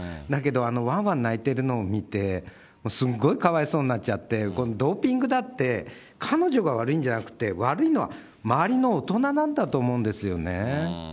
だけど、わんわん泣いてるのを見て、すごいかわいそうになっちゃって、ドーピングだって、彼女が悪いんじゃなくて、悪いのは、周りの大人なんだと思うんですよね。